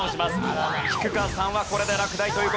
菊川さんはこれで落第という事になります。